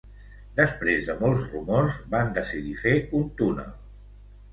Després de molts rumors, van decidir fer un túnel.